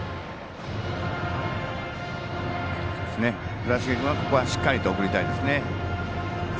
倉重君はここはしっかり送りたいですね。